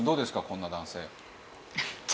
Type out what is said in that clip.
こんな男性。